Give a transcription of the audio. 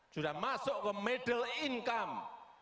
sudah masuk ke middle income